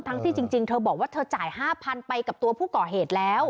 ที่จริงเธอบอกว่าเธอจ่าย๕๐๐๐ไปกับตัวผู้ก่อเหตุแล้ว